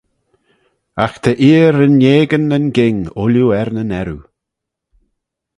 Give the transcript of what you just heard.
Agh ta eer renaigyn nyn ghing ooilley er nyn earroo.